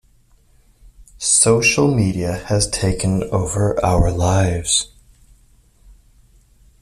Social media has taken over our lives.